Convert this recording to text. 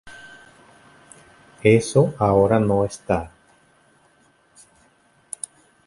Eso ahora no está.